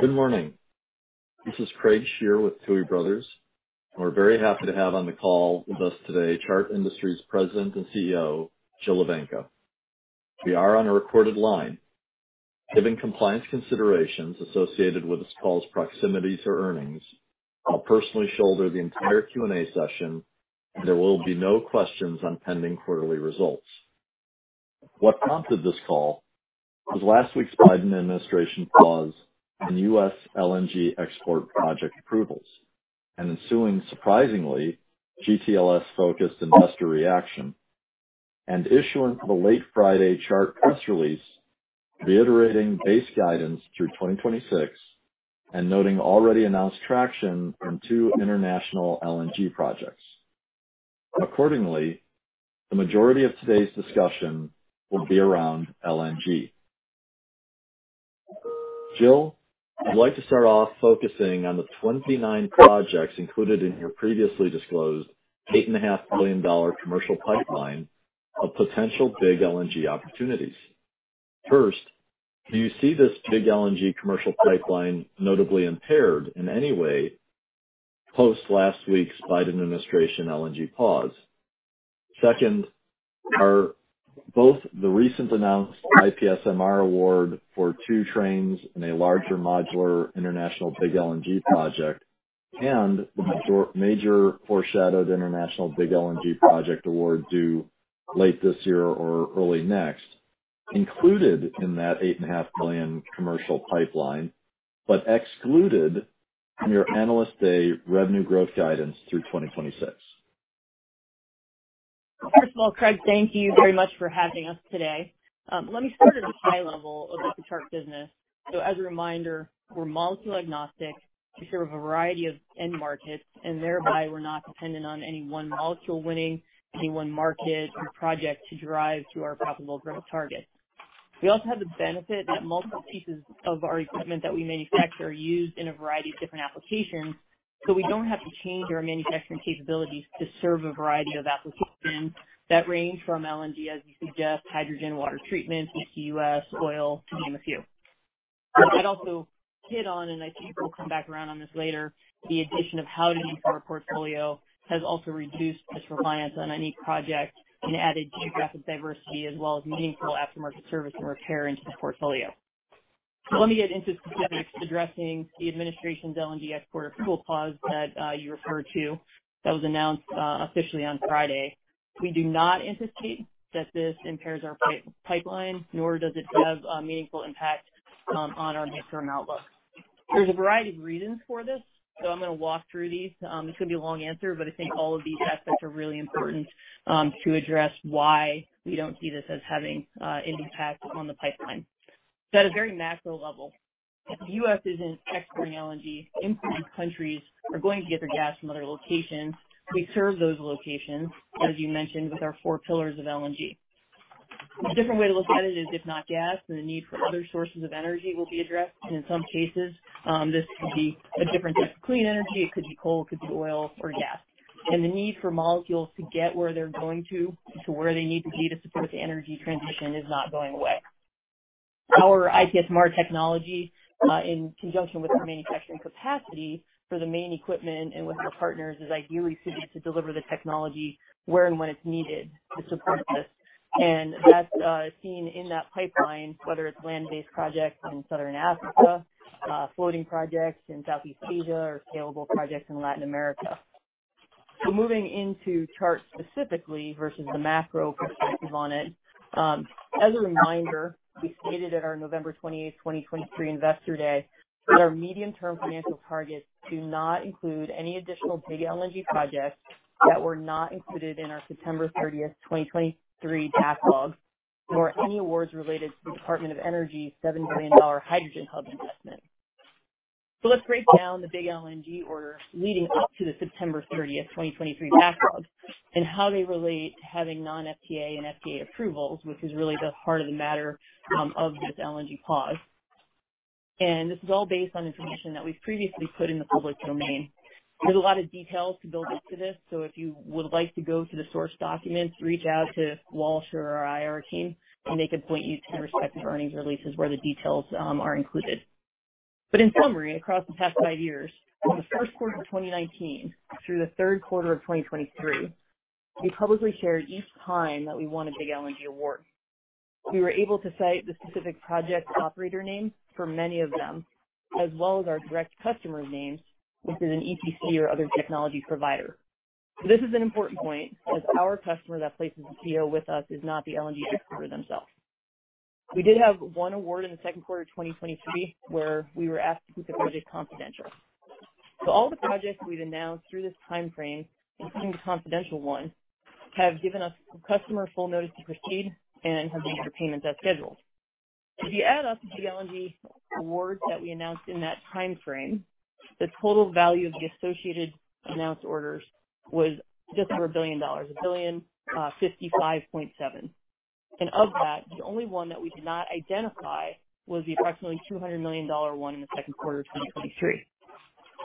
Good morning. This is Craig Shere with Tuohy Brothers. We're very happy to have on the call with us today Chart Industries' President and CEO, Jill Evanko. We are on a recorded line. Given compliance considerations associated with this call's proximity to earnings, I'll personally shoulder the entire Q&A session, and there will be no questions on pending quarterly results. What prompted this call was last week's Biden Administration pause on U.S. LNG export project approvals and ensuing, surprisingly, GTLS-focused investor reaction and issuance of a late Friday Chart press release reiterating base guidance through 2026 and noting already announced traction in two international LNG projects. Accordingly, the majority of today's discussion will be around LNG. Jill, I'd like to start off focusing on the 29 projects included in your previously disclosed $8.5 billion commercial pipeline of potential Big LNG opportunities. First, do you see this Big LNG commercial pipeline notably impaired in any way post last week's Biden Administration LNG pause? Second, are both the recent announced IPSMR award for two trains and a larger modular international Big LNG project and the major foreshadowed international Big LNG project award due late this year or early next included in that $8.5 billion commercial pipeline but excluded in your Analyst Day revenue growth guidance through 2026? First of all, Craig, thank you very much for having us today. Let me start at a high level about the Chart business. So, as a reminder, we're molecule agnostic. We serve a variety of end markets, and thereby we're not dependent on any one molecule winning, any one market or project to drive to our profitable growth target. We also have the benefit that multiple pieces of our equipment that we manufacture are used in a variety of different applications, so we don't have to change our manufacturing capabilities to serve a variety of applications that range from LNG, as you suggest, hydrogen, water treatment, CCUS, oil, to name a few. I'd also hit on, and I think we'll come back around on this later, the addition of Howden to our portfolio has also reduced this reliance on any project and added geographic diversity as well as meaningful aftermarket service and repair into the portfolio. So let me get into specifics addressing the administration's LNG export approval pause that you referred to that was announced officially on Friday. We do not anticipate that this impairs our pipeline, nor does it have a meaningful impact on our midterm outlook. There's a variety of reasons for this, so I'm going to walk through these. It's going to be a long answer, but I think all of these aspects are really important to address why we don't see this as having an impact on the pipeline. At a very macro level, if the U.S. isn't exporting LNG, influenced countries are going to get their gas from other locations. We serve those locations, as you mentioned, with our four pillars of LNG. A different way to look at it is, if not gas, then the need for other sources of energy will be addressed. And in some cases, this could be a different type of clean energy. It could be coal, it could be oil or gas. And the need for molecules to get where they're going to, to where they need to be to support the energy transition, is not going away. Our IPSMR technology, in conjunction with our manufacturing capacity for the main equipment and with our partners, is ideally suited to deliver the technology where and when it's needed to support this. That's seen in that pipeline, whether it's land-based projects in Southern Africa, floating projects in Southeast Asia, or scalable projects in Latin America. Moving into Chart specifically versus the macro perspective on it, as a reminder, we stated at our November 28th, 2023, Investor Day that our medium-term financial targets do not include any additional Big LNG projects that were not included in our September 30th, 2023, backlog, nor any awards related to the Department of Energy's $7 billion Hydrogen Hub investment. Let's break down the Big LNG order leading up to the September 30th, 2023, backlog and how they relate to having Non-FTA and FTA approvals, which is really the heart of the matter of this LNG pause. This is all based on information that we've previously put in the public domain. There's a lot of details to build up to this, so if you would like to go to the source documents, reach out to Walsh or our IR team, and they can point you to the respective earnings releases where the details are included. But in summary, across the past five years, from the first quarter of 2019 through the third quarter of 2023, we publicly shared each time that we won a Big LNG award. We were able to cite the specific project operator names for many of them, as well as our direct customer's names, which is an EPC or other technology provider. This is an important point as our customer that places a PO with us is not the LNG exporter themselves. We did have one award in the second quarter of 2023 where we were asked to keep the project confidential. So all the projects we've announced through this time frame, including the confidential one, have given us customer full notice to proceed and have made their payments as scheduled. If you add up the Big LNG awards that we announced in that time frame, the total value of the associated announced orders was just over a billion dollars, $1.0557 billion. And of that, the only one that we did not identify was the approximately $200 million one in the second quarter of 2023.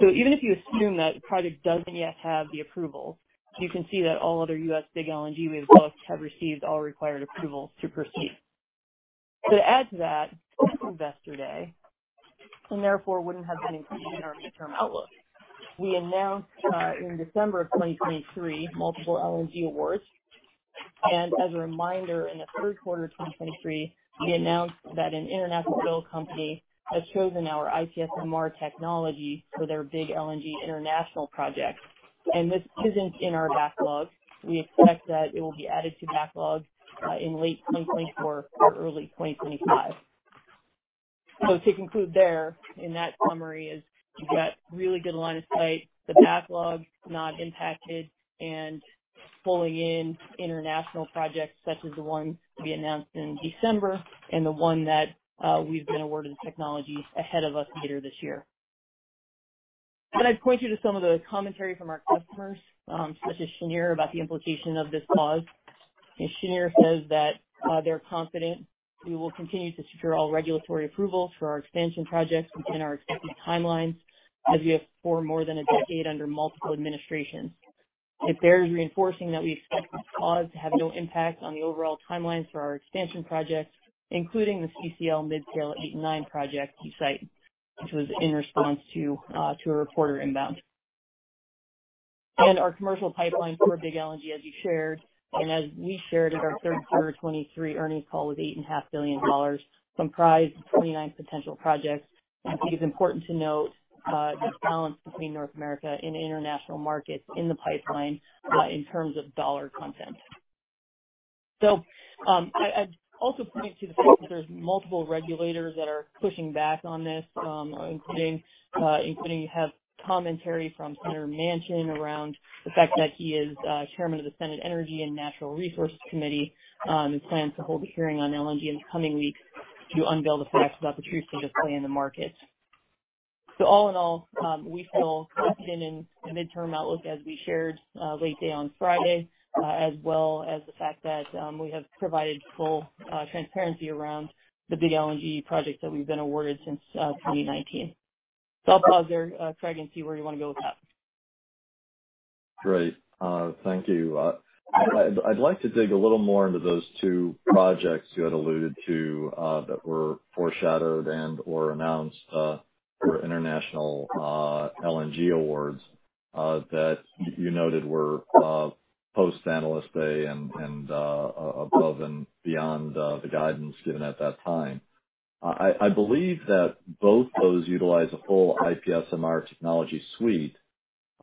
So even if you assume that the project doesn't yet have the approvals, you can see that all other U.S. Big LNG we've booked have received all required approvals to proceed. So to add to that, Investor Day, and therefore wouldn't have been included in our midterm outlook. We announced in December of 2023 multiple LNG awards. As a reminder, in the third quarter of 2023, we announced that an international oil company has chosen our IPSMR technology for their Big LNG international project. This isn't in our backlog. We expect that it will be added to backlog in late 2024 or early 2025. To conclude there, in that summary is you've got really good line of sight, the backlog not impacted, and pulling in international projects such as the one to be announced in December and the one that we've been awarded the technology ahead of us later this year. I'd point you to some of the commentary from our customers, such as Cheniere, about the implication of this pause. Cheniere says that they're confident we will continue to secure all regulatory approvals for our expansion projects within our expected timelines as we have for more than a decade under multiple administrations. It bears reinforcing that we expect this pause to have no impact on the overall timelines for our expansion projects, including the CCL Midscale 8 and 9 project you cite, which was in response to a reporter inbound, and our commercial pipeline for Big LNG, as you shared, and as we shared at our third quarter of 2023 earnings call, was $8.5 billion, comprised of 29 potential projects, and I think it's important to note this balance between North America and international markets in the pipeline in terms of dollar content. So I'd also point to the fact that there's multiple regulators that are pushing back on this, including you have commentary from Senator Manchin around the fact that he is chairman of the Senate Energy and Natural Resources Committee and plans to hold a hearing on LNG in the coming weeks to unveil the facts about the truth and just play in the markets. So all in all, we feel confident in the midterm outlook, as we shared late day on Friday, as well as the fact that we have provided full transparency around the Big LNG projects that we've been awarded since 2019. So I'll pause there, Craig, and see where you want to go with that. Great. Thank you. I'd like to dig a little more into those two projects you had alluded to that were foreshadowed and/or announced for international LNG awards that you noted were post analyst day and above and beyond the guidance given at that time. I believe that both those utilize a full IPSMR technology suite.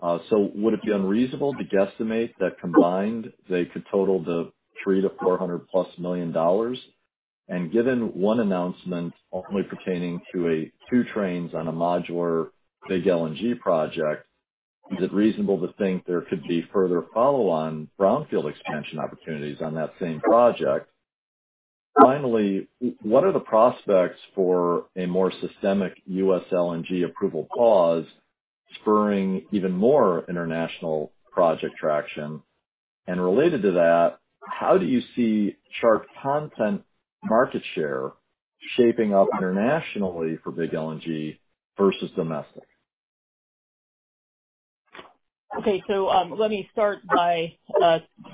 So would it be unreasonable to guesstimate that combined they could total $300-$400+ million? And given one announcement only pertaining to two trains on a modular Big LNG project, is it reasonable to think there could be further follow-on brownfield expansion opportunities on that same project? Finally, what are the prospects for a more systemic U.S. LNG approval pause spurring even more international project traction? And related to that, how do you see Chart content market share shaping up internationally for Big LNG versus domestic? Okay, so let me start by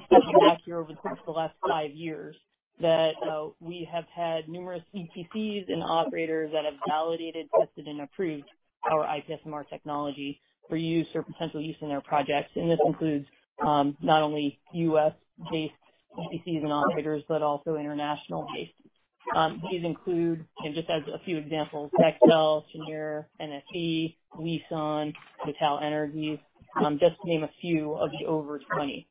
stating back here over the last five years that we have had numerous EPCs and operators that have validated, tested, and approved our IPSMR technology for use or potential use in their projects, and this includes not only U.S.-based EPCs and operators, but also international-based. These include, just as a few examples, Exxon, Cheniere, NFE, Wison, TotalEnergies, just to name a few of the over 20.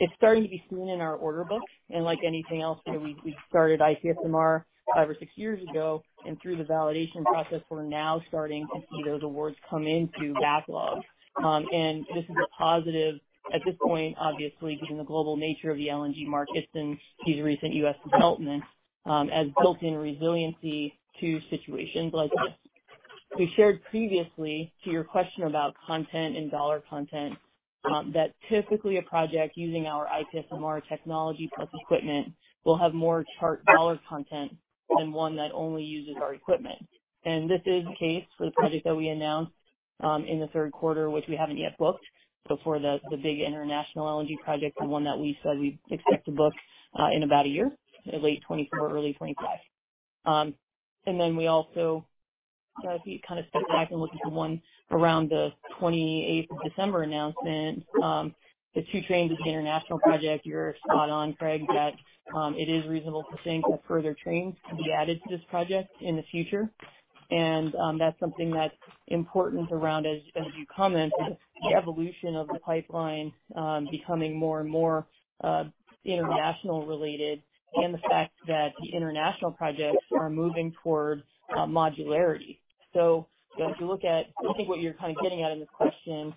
It's starting to be seen in our order books, and like anything else, we started IPSMR five or six years ago, and through the validation process, we're now starting to see those awards come into backlog, and this is a positive at this point, obviously, given the global nature of the LNG markets and these recent U.S. developments as built-in resiliency to situations like this. We shared previously to your question about content and dollar content that typically a project using our IPSMR technology plus equipment will have more Chart dollar content than one that only uses our equipment. And this is the case for the project that we announced in the third quarter, which we haven't yet booked. So for the big international LNG project, the one that we said we expect to book in about a year, late 2024, early 2025. And then we also, if you kind of step back and look at the one around the 28th of December announcement, the two trains is the international project. You're spot on, Craig, that it is reasonable to think that further trains could be added to this project in the future. And that's something that's important around, as you commented, the evolution of the pipeline becoming more and more international-related and the fact that the international projects are moving toward modularity. So if you look at, I think what you're kind of getting at in this question,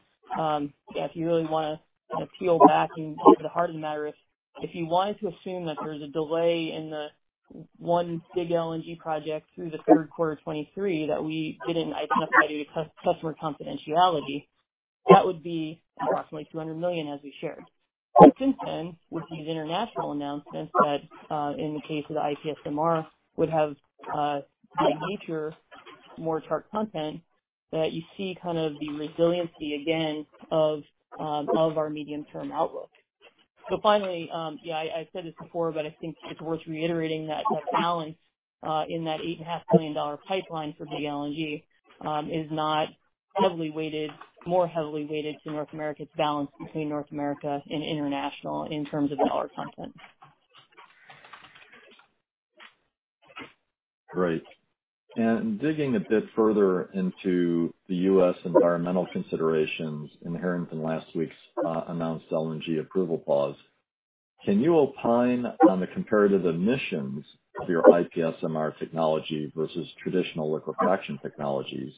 if you really want to peel back into the heart of the matter, if you wanted to assume that there's a delay in the one Big LNG project through the third quarter of 2023 that we didn't identify due to customer confidentiality, that would be approximately $200 million, as we shared. But since then, with these international announcements that, in the case of the IPSMR, would have more Chart content, that you see kind of the resiliency, again, of our medium-term outlook. Finally, yeah, I said this before, but I think it's worth reiterating that that balance in that $8.5 billion pipeline for Big LNG is not heavily weighted, more heavily weighted to North America's balance between North America and international in terms of dollar content. Great. And digging a bit further into the U.S. environmental considerations inherent in last week's announced LNG approval pause, can you opine on the comparative emissions of your IPSMR technology versus traditional liquefaction technologies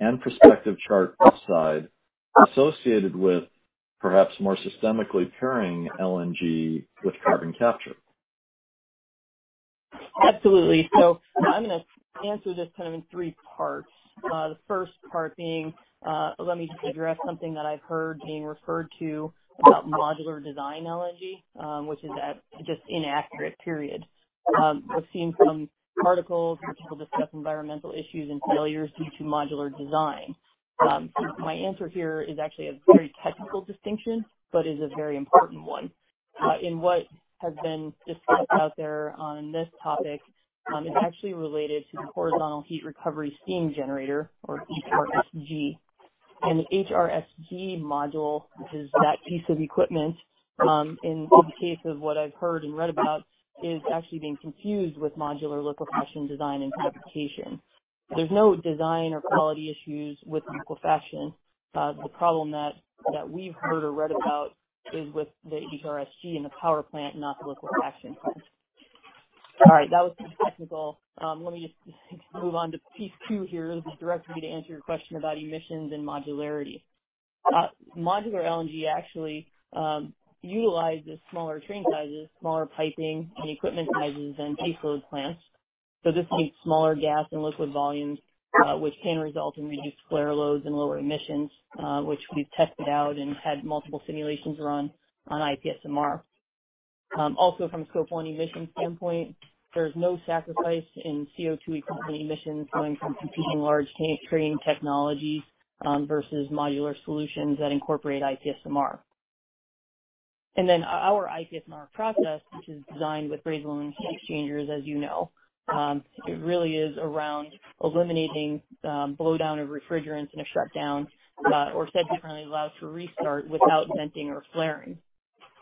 and prospective Chart upside associated with perhaps more systemically pairing LNG with carbon capture? Absolutely. So I'm going to answer this kind of in three parts. The first part being, let me just address something that I've heard being referred to about modular design LNG, which is just inaccurate, period. We've seen some articles where people discuss environmental issues and failures due to modular design. My answer here is actually a very technical distinction, but is a very important one. In what has been discussed out there on this topic is actually related to the horizontal heat recovery steam generator, or HRSG. And the HRSG module, which is that piece of equipment, in the case of what I've heard and read about, is actually being confused with modular liquefaction design and fabrication. There's no design or quality issues with liquefaction. The problem that we've heard or read about is with the HRSG and the power plant, not the liquefaction plant. All right. That was the technical. Let me just move on to piece two here, which is directly to answer your question about emissions and modularity. Modular LNG actually utilizes smaller train sizes, smaller piping, and equipment sizes than baseload plants, so this means smaller gas and liquid volumes, which can result in reduced flare loads and lower emissions, which we've tested out and had multiple simulations run on IPSMR. Also, from a Scope 1 emission standpoint, there is no sacrifice in CO2 equivalent emissions going from competing large train technologies versus modular solutions that incorporate IPSMR, and then our IPSMR process, which is designed with brazed aluminum heat exchangers, as you know, it really is around eliminating blowdown of refrigerants and a shutdown, or said differently, allows for restart without venting or flaring,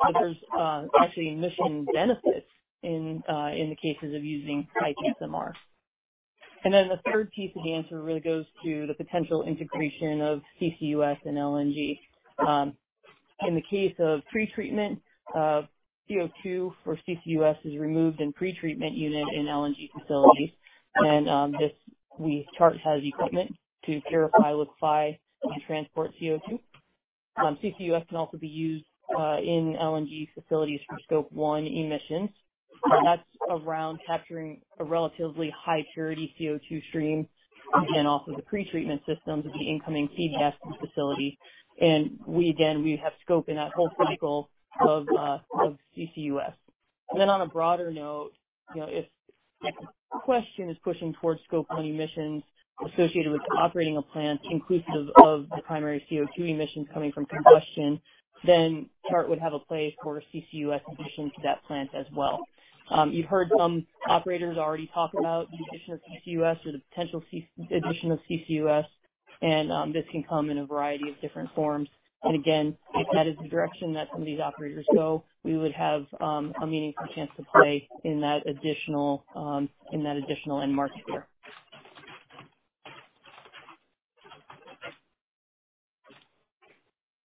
so there's actually emission benefits in the cases of using IPSMR. Then the third piece of the answer really goes to the potential integration of CCUS and LNG. In the case of pretreatment, CO2 for CCUS is removed in pretreatment unit in LNG facilities. This Chart has equipment to purify, liquefy, and transport CO2. CCUS can also be used in LNG facilities for Scope 1 emissions. That's around capturing a relatively high purity CO2 stream, again, off of the pretreatment systems of the incoming feed gas facility. Again, we have scope in that whole cycle of CCUS. Then on a broader note, if the question is pushing towards Scope 1 emissions associated with operating a plant inclusive of the primary CO2 emissions coming from combustion, then Chart would have a place for CCUS addition to that plant as well. You've heard some operators already talk about the addition of CCUS or the potential addition of CCUS. This can come in a variety of different forms. Again, if that is the direction that some of these operators go, we would have a meaningful chance to play in that additional end market here.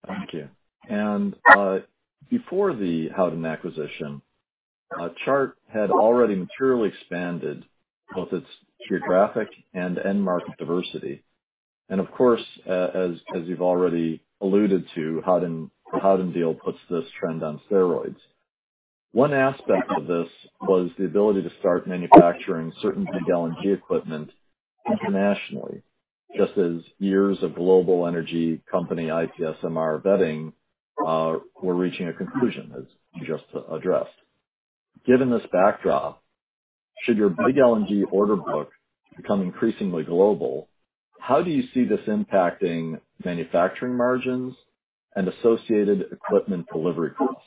Thank you. And before the Howden acquisition, Chart had already materially expanded both its geographic and end market diversity. And of course, as you've already alluded to, Howden deal puts this trend on steroids. One aspect of this was the ability to start manufacturing certain Big LNG equipment internationally, just as years of global energy company IPSMR vetting were reaching a conclusion, as you just addressed. Given this backdrop, should your Big LNG order book become increasingly global, how do you see this impacting manufacturing margins and associated equipment delivery costs?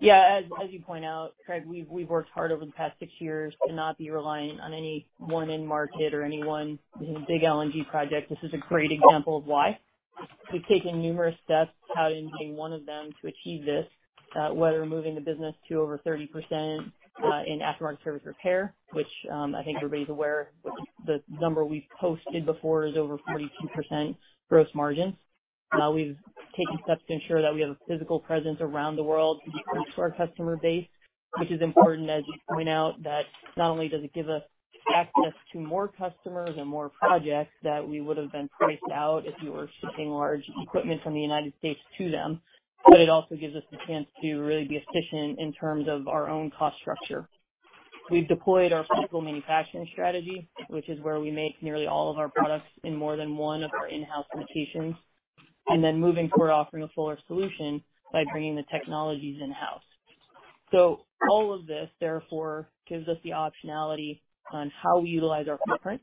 Yeah. As you point out, Craig, we've worked hard over the past six years to not be reliant on any one end market or any one Big LNG project. This is a great example of why. We've taken numerous steps, Howden being one of them, to achieve this, whether moving the business to over 30% in aftermarket service repair, which I think everybody's aware, the number we've posted before is over 42% gross margins. We've taken steps to ensure that we have a physical presence around the world to reach our customer base, which is important, as you point out, that not only does it give us access to more customers and more projects that we would have been priced out if we were shipping large equipment from the United States to them, but it also gives us the chance to really be efficient in terms of our own cost structure. We've deployed our physical manufacturing strategy, which is where we make nearly all of our products in more than one of our in-house locations, and then moving toward offering a fuller solution by bringing the technologies in-house. So all of this, therefore, gives us the optionality on how we utilize our footprint.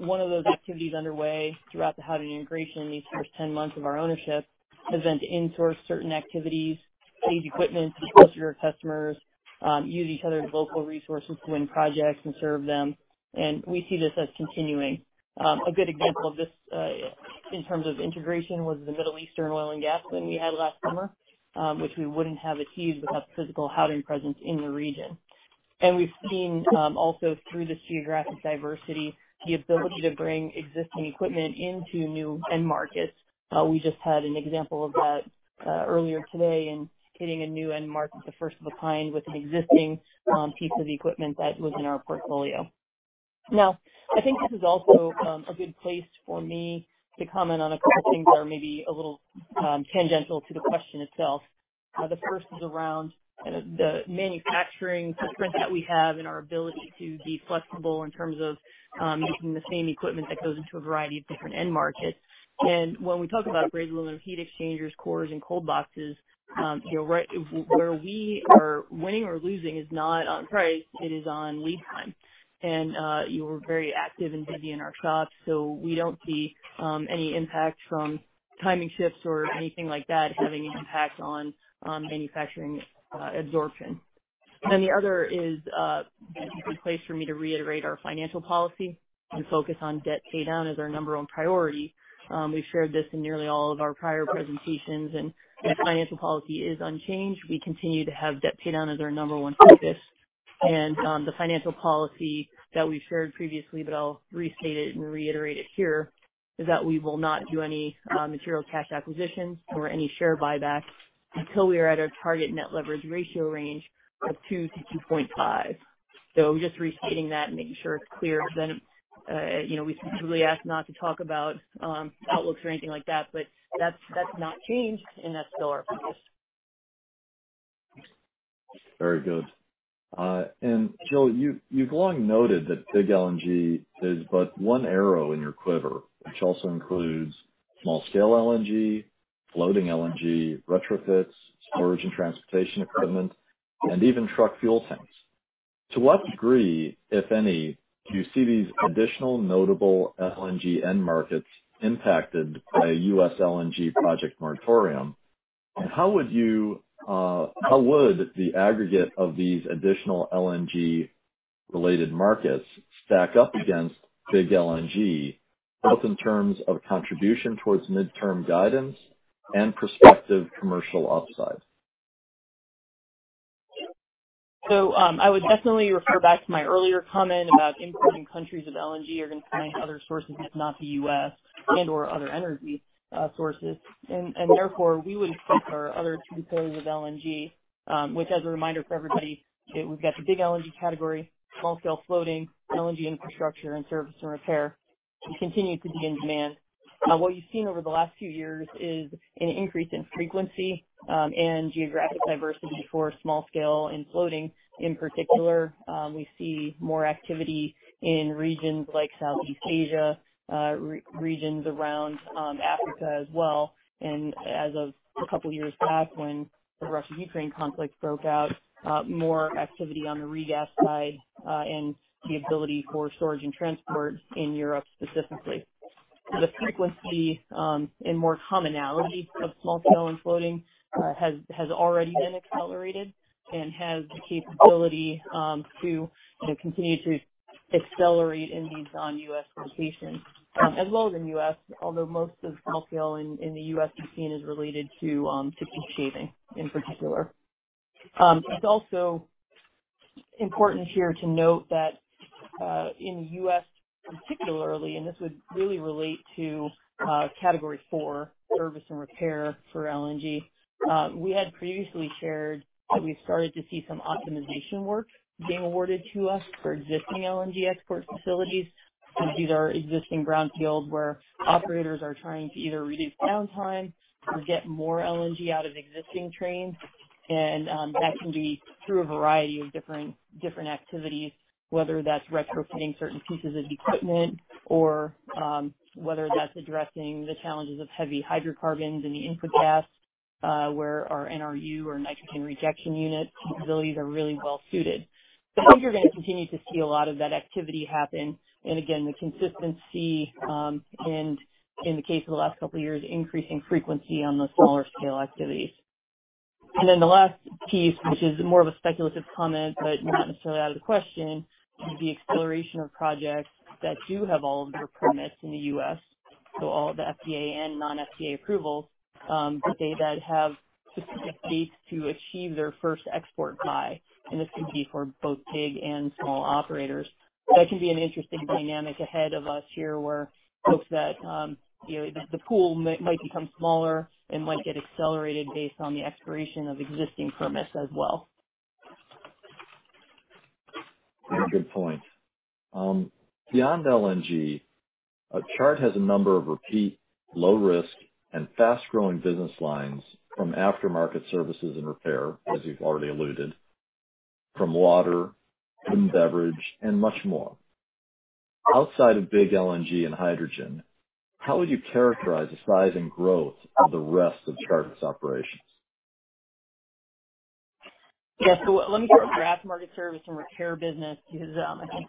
One of those activities underway throughout the Howden integration in these first 10 months of our ownership has been to insource certain activities, save equipment to be closer to our customers, use each other's local resources to win projects and serve them, and we see this as continuing. A good example of this in terms of integration was the Middle Eastern oil and gas win we had last summer, which we wouldn't have achieved without the physical Howden presence in the region, and we've seen also through this geographic diversity, the ability to bring existing equipment into new end markets. We just had an example of that earlier today in hitting a new end market the first of a kind with an existing piece of equipment that was in our portfolio. Now, I think this is also a good place for me to comment on a couple of things that are maybe a little tangential to the question itself. The first is around the manufacturing footprint that we have and our ability to be flexible in terms of using the same equipment that goes into a variety of different end markets. And when we talk about brazed aluminum heat exchangers, cores, and cold boxes, where we are winning or losing is not on price. It is on lead time. And we're very active and busy in our shop, so we don't see any impact from timing shifts or anything like that having an impact on manufacturing absorption. Then the other is a place for me to reiterate our financial policy and focus on debt paydown as our number one priority. We've shared this in nearly all of our prior presentations, and financial policy is unchanged. We continue to have debt paydown as our number one focus. And the financial policy that we've shared previously, but I'll restate it and reiterate it here, is that we will not do any material cash acquisitions or any share buyback until we are at our target net leverage ratio range of 2-2.5. So just restating that and making sure it's clear because then we specifically asked not to talk about outlooks or anything like that, but that's not changed, and that's still our focus. Very good. And Jill, you've long noted that Big LNG is but one arrow in your quiver, which also includes small-scale LNG, floating LNG, retrofits, storage and transportation equipment, and even truck fuel tanks. To what degree, if any, do you see these additional notable LNG end markets impacted by a U.S. LNG project moratorium? And how would the aggregate of these additional LNG-related markets stack up against Big LNG, both in terms of contribution towards midterm guidance and prospective commercial upside? So I would definitely refer back to my earlier comment about importing countries of LNG or going to find other sources that's not the U.S. and/or other energy sources. And therefore, we would expect our other two pillars of LNG, which, as a reminder for everybody, we've got the Big LNG category, small-scale floating, LNG infrastructure, and service and repair to continue to be in demand. What you've seen over the last few years is an increase in frequency and geographic diversity for small-scale and floating. In particular, we see more activity in regions like Southeast Asia, regions around Africa as well. And as of a couple of years back, when the Russia-Ukraine conflict broke out, more activity on the re-gas side and the ability for storage and transport in Europe specifically. The frequency and more commonality of small-scale and floating has already been accelerated and has the capability to continue to accelerate in these non-U.S. locations, as well as in the U.S., although most of small-scale in the U.S. we've seen is related to shaving in particular. It's also important here to note that in the U.S., particularly, and this would really relate to category four service and repair for LNG, we had previously shared that we've started to see some optimization work being awarded to us for existing LNG export facilities. This is our existing brownfield where operators are trying to either reduce downtime or get more LNG out of existing trains. That can be through a variety of different activities, whether that's retrofitting certain pieces of equipment or whether that's addressing the challenges of heavy hydrocarbons and the input gas, where our NRU or nitrogen rejection unit capabilities are really well suited. But I think you're going to continue to see a lot of that activity happen. And again, the consistency and, in the case of the last couple of years, increasing frequency on the smaller-scale activities. And then the last piece, which is more of a speculative comment, but not necessarily out of the question, would be acceleration of projects that do have all of their permits in the U.S., so all of the FTA and non-FTA approvals, but that have specific needs to achieve their first export buy. And this could be for both big and small operators. That can be an interesting dynamic ahead of us here, where folks that the pool might become smaller and might get accelerated based on the expiration of existing permits as well. Very good point. Beyond LNG, Chart has a number of repeat, low-risk, and fast-growing business lines from aftermarket services and repair, as you've already alluded, from water, food and beverage, and much more. Outside of Big LNG and hydrogen, how would you characterize the size and growth of the rest of Chart's operations? Yeah. So let me start with the aftermarket service and repair business because,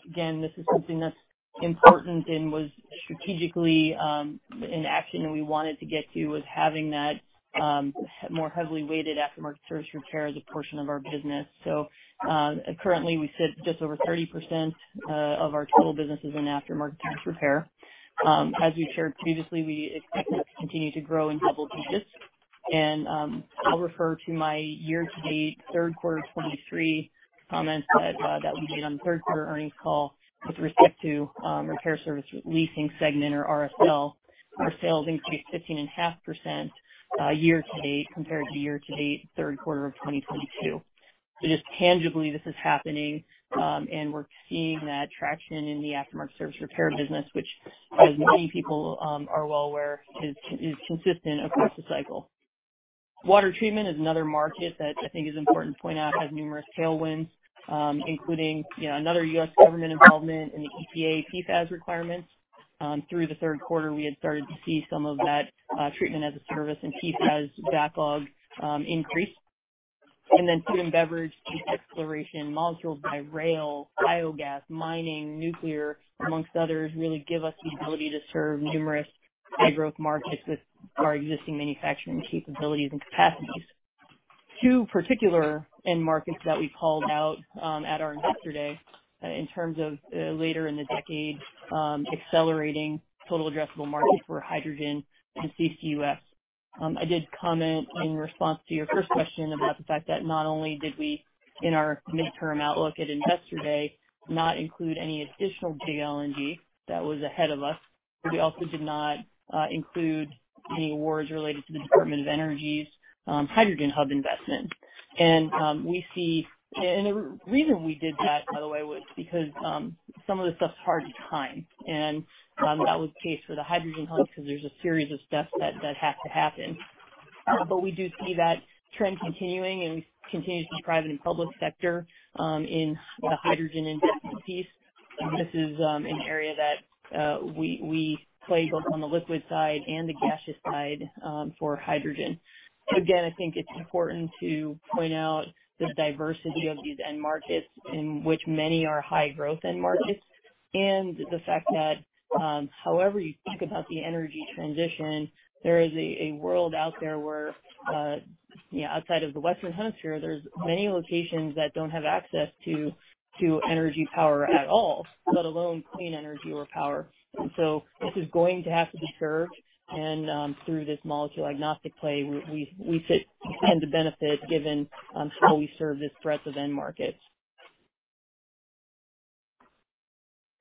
again, this is something that's important and was strategically in action and we wanted to get to was having that more heavily weighted aftermarket service repair as a portion of our business. So currently, we sit just over 30% of our total businesses in aftermarket service repair. As we've shared previously, we expect to continue to grow in double digits. And I'll refer to my year-to-date third quarter 2023 comments that we made on the third quarter earnings call with respect to repair service leasing segment or RSL. Our sales increased 15.5% year-to-date compared to year-to-date third quarter of 2022. So just tangibly, this is happening, and we're seeing that traction in the aftermarket service repair business, which, as many people are well aware, is consistent across the cycle. Water treatment is another market that I think is important to point out has numerous tailwinds, including another U.S. government involvement in the EPA PFAS requirements. Through the third quarter, we had started to see some of that treatment as a service and PFAS backlog increase, and then food and beverage, exploration, molecule by rail, biogas, mining, nuclear, amongst others, really give us the ability to serve numerous high-growth markets with our existing manufacturing capabilities and capacities. Two particular end markets that we called out at our investor day in terms of later in the decade, accelerating total addressable markets for hydrogen and CCUS. I did comment in response to your first question about the fact that not only did we, in our mid-term outlook at Investor Day, not include any additional Big LNG that was ahead of us, but we also did not include any awards related to the Department of Energy's Hydrogen Hub investment, and the reason we did that, by the way, was because some of the stuff's hard to time, and that was the case for the Hydrogen Hub because there's a series of steps that have to happen. But we do see that trend continuing, and we continue to see private and public sector in the hydrogen investment piece. This is an area that we play both on the liquid side and the gaseous side for hydrogen. Again, I think it's important to point out the diversity of these end markets, in which many are high-growth end markets, and the fact that however you think about the energy transition, there is a world out there where, outside of the Western Hemisphere, there's many locations that don't have access to energy power at all, let alone clean energy or power, and so this is going to have to be served, and through this molecule agnostic play, we tend to benefit given how we serve this breadth of end markets.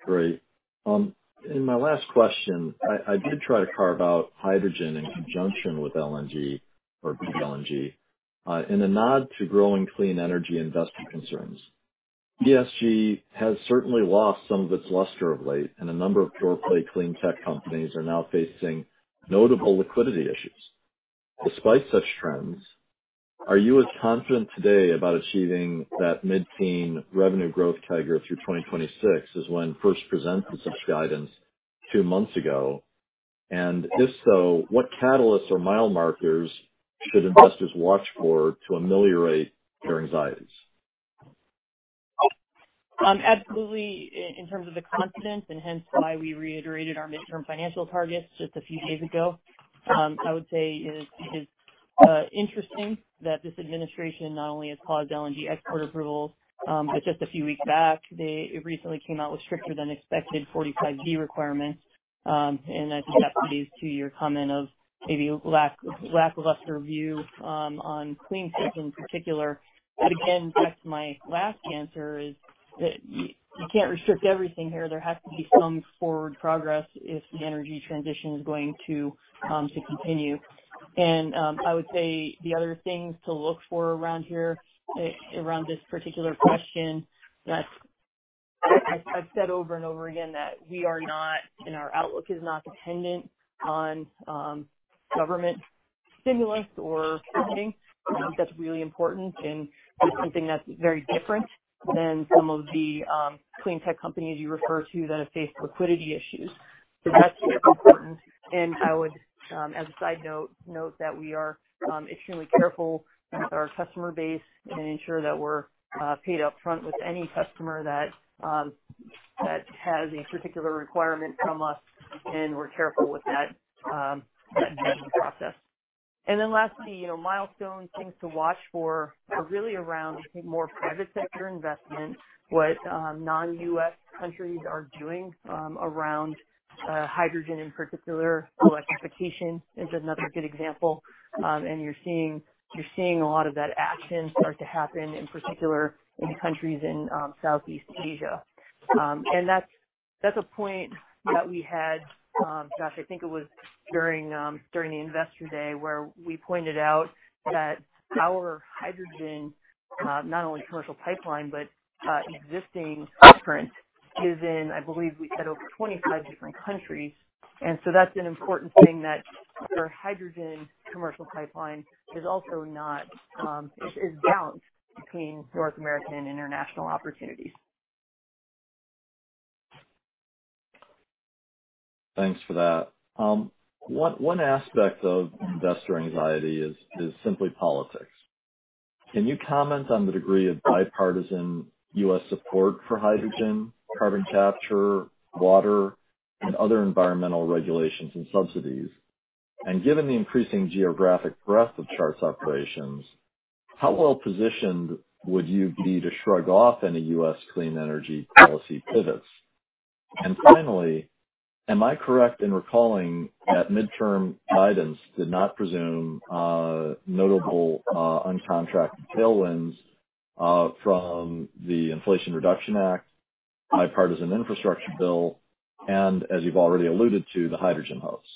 Great. In my last question, I did try to carve out hydrogen in conjunction with LNG or Big LNG in a nod to growing clean energy investment concerns. ESG has certainly lost some of its luster of late, and a number of pure-play clean tech companies are now facing notable liquidity issues. Despite such trends, are you as confident today about achieving that mid-teen revenue growth target through 2026 as when first presented such guidance two months ago? And if so, what catalysts or mile markers should investors watch for to ameliorate their anxieties? Absolutely. In terms of the confidence, and hence why we reiterated our midterm financial targets just a few days ago, I would say it is interesting that this administration not only has paused LNG export approvals, but just a few weeks back, they recently came out with stricter-than-expected 45V requirements. And I think that plays to your comment of maybe lackluster view on clean tech in particular. But again, back to my last answer is that you can't restrict everything here. There has to be some forward progress if the energy transition is going to continue. And I would say the other things to look for around here, around this particular question, I've said over and over again that we are not, and our outlook is not dependent on government stimulus or funding. That's really important. And it's something that's very different than some of the clean tech companies you refer to that have faced liquidity issues. So that's important. And I would, as a side note, note that we are extremely careful with our customer base and ensure that we're paid upfront with any customer that has a particular requirement from us, and we're careful with that process. And then lastly, milestones, things to watch for are really around, I think, more private sector investment, what non-U.S. countries are doing around hydrogen in particular. Electrification is another good example. And you're seeing a lot of that action start to happen, in particular, in countries in Southeast Asia. And that's a point that we had, gosh, I think it was during the investor day where we pointed out that our hydrogen, not only commercial pipeline, but existing footprint is in, I believe we said, over 25 different countries. And so that's an important thing that our hydrogen commercial pipeline is also not, is balanced between North American and international opportunities. Thanks for that. One aspect of investor anxiety is simply politics. Can you comment on the degree of bipartisan U.S. support for hydrogen, carbon capture, water, and other environmental regulations and subsidies? And given the increasing geographic breadth of Chart's operations, how well positioned would you be to shrug off any U.S. clean energy policy pivots? And finally, am I correct in recalling that midterm guidance did not presume notable uncontracted tailwinds from the Inflation Reduction Act, Bipartisan Infrastructure Bill, and, as you've already alluded to, the Hydrogen Hubs?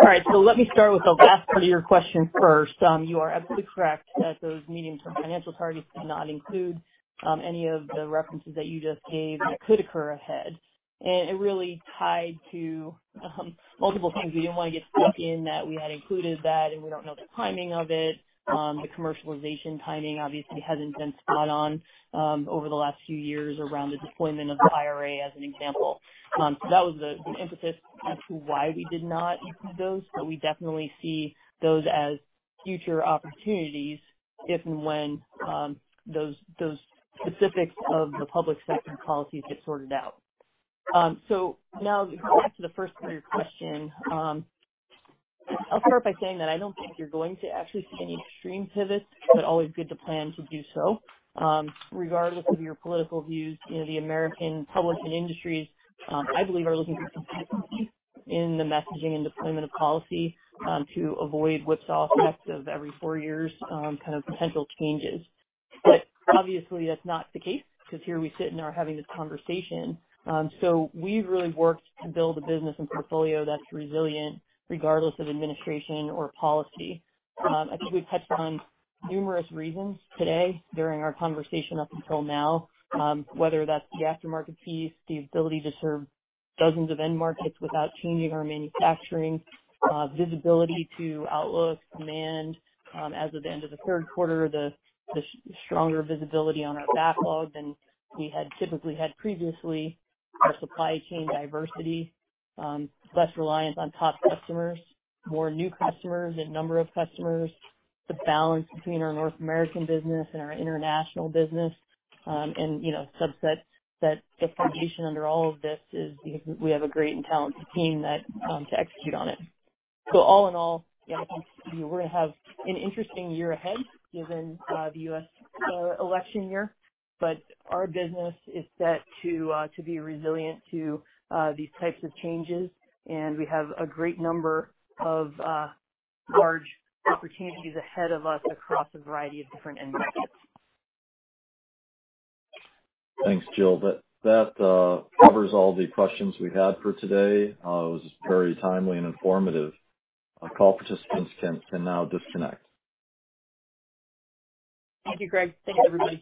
All right. So let me start with the last part of your question first. You are absolutely correct that those medium-term financial targets did not include any of the references that you just gave that could occur ahead. And it really tied to multiple things we didn't want to get stuck in that we had included that, and we don't know the timing of it. The commercialization timing, obviously, hasn't been spot on over the last few years around the deployment of the IRA, as an example. So that was the impetus as to why we did not include those. But we definitely see those as future opportunities if and when those specifics of the public sector policies get sorted out. So now, back to the first part of your question, I'll start by saying that I don't think you're going to actually see any extreme pivots, but always good to plan to do so. Regardless of your political views, the American public and industries, I believe, are looking for consistency in the messaging and deployment of policy to avoid whipsaw effects of every four years kind of potential changes. But obviously, that's not the case because here we sit and are having this conversation. So we've really worked to build a business and portfolio that's resilient regardless of administration or policy. I think we've touched on numerous reasons today during our conversation up until now, whether that's the aftermarket piece, the ability to serve dozens of end markets without changing our manufacturing, visibility to outlook, demand as of the end of the third quarter, the stronger visibility on our backlog than we had typically had previously, our supply chain diversity, less reliance on top customers, more new customers and number of customers, the balance between our North American business and our international business, and subset that the foundation under all of this is we have a great and talented team to execute on it. So all in all, we're going to have an interesting year ahead given the U.S. election year. But our business is set to be resilient to these types of changes, and we have a great number of large opportunities ahead of us across a variety of different end markets. Thanks, Jill. That covers all the questions we had for today. It was a very timely and informative call. Participants can now disconnect. Thank you, Craig. Thank you, everybody.